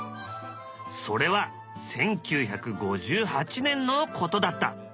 それは１９５８年のことだった。